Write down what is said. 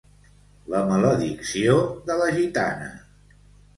La maledicció de la gitana.